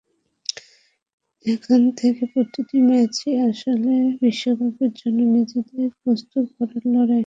এখন থেকে প্রতিটি ম্যাচই আসলে বিশ্বকাপের জন্য নিজেদের প্রস্তুত করার লড়াই।